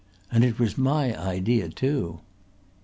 And it was my idea too."